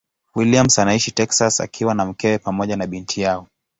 Williams anaishi Texas akiwa na mkewe pamoja na binti yao.